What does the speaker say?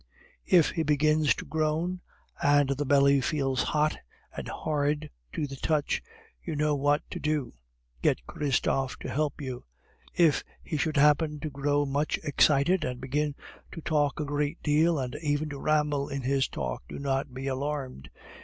"If he begins to groan, and the belly feels hot and hard to the touch, you know what to do; get Christophe to help you. If he should happen to grow much excited, and begin to talk a good deal and even to ramble in his talk, do not be alarmed.